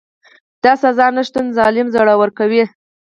د سزا نشتون ظالم زړور کوي.